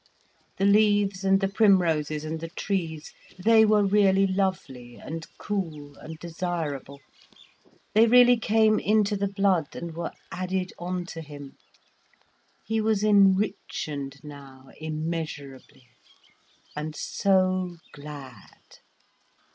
The leaves and the primroses and the trees, they were really lovely and cool and desirable, they really came into the blood and were added on to him. He was enrichened now immeasurably, and so glad.